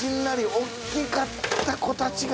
大きかった子たちが。